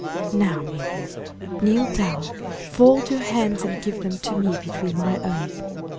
"Now, Miriam, kneel down, fold your hands, and give them to me between my own.